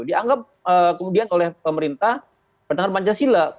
dianggap kemudian oleh pemerintah bertanggung jawab pancasila